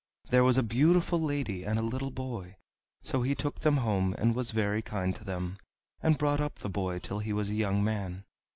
there was a beautiful lady and a little boy. So he took them home, and was very kind to them, and brought up the boy till he was a young man.